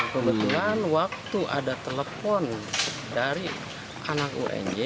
kebetulan waktu ada telepon dari anak unj